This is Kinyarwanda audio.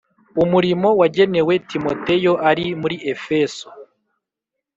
Umurimo wagenewe Timoteyo, ari muri Efeso